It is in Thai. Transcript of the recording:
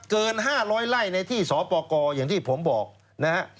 เกินห้าร้อยไร่ในที่สอปกรณ์อย่างที่ผมบอกนะฮะ